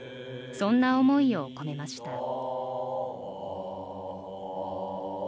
そんな思いを込めました。